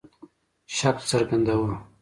شک څرګنداوه.